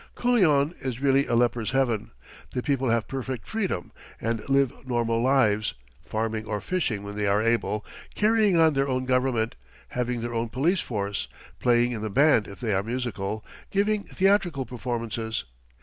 Culion is really a leper's heaven. The people have perfect freedom, and live normal lives, farming or fishing when they are able, carrying on their own government, having their own police force, playing in the band if they are musical, giving theatrical performances.